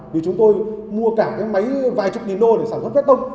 vì chúng tôi mua cả cái máy vài chục nghìn đô để sản xuất phép tông